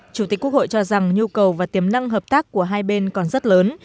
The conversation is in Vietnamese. chủ tịch quốc hội cho rằng nhu cầu và tiềm năng hợp tác của hai bên còn rất lớn